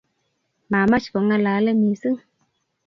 Mamach kongalale missing